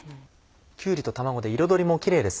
きゅうりと卵で彩りもキレイです。